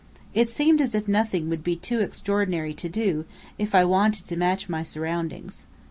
It seemed as if nothing would be too extraordinary to do, if I wanted to match my surroundings.